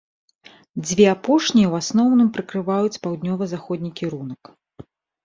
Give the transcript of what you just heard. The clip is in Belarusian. Дзве апошнія ў асноўным прыкрываюць паўднёва-заходні кірунак.